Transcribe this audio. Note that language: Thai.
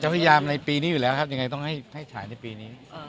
พยายามในปีนี้อยู่แล้วครับยังไงต้องให้ฉายในปีนี้